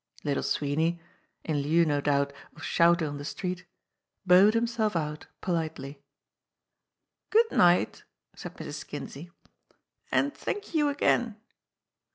Little Sweeney in lieu, no doubt, of shouting on the street bowed himself out politely. "Good night," said Mrs. Kinsey. "And thank you again."